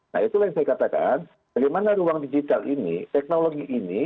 nah itulah yang saya katakan bagaimana ruang digital ini teknologi ini